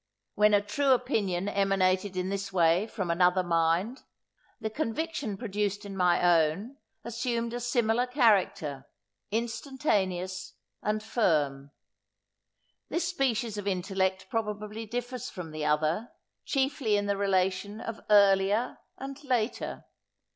When a true opinion emanated in this way from another mind, the conviction produced in my own assumed a similar character, instantaneous and firm. This species of intellect probably differs from the other, chiefly in the relation of earlier and later.